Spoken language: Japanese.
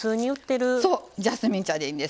そうジャスミン茶でいいんです。